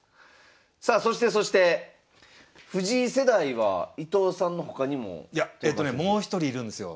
さあそしてそして藤井世代は伊藤さんの他にも。いやえとねもう一人いるんですよ。